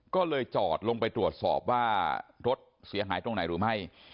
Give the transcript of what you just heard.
ก็เลยจอดลงไปตรวจสอบว่ารถเสียหายตรงไหนหรือไม่